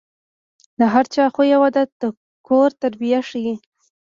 د هر چا خوی او عادت د کور تربیه ښيي.